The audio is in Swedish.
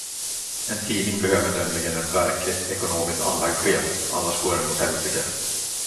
En tidning behöver nämligen en verkligt ekonomiskt anlagd chef, annars går den åt helsike.